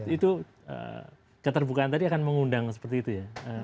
itu keterbukaan tadi akan mengundang seperti itu ya